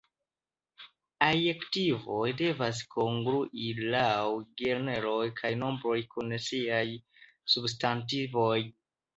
Adjektivoj devas kongrui laŭ genro kaj nombro kun siaj substantivoj.